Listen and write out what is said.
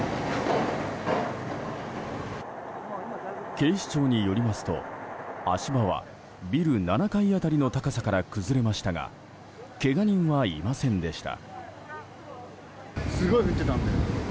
警視庁によりますと足場はビル７階辺りの高さから崩れましたがけが人はいませんでした。